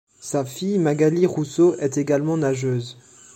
Sa fille Magali Rousseau est également nageuse.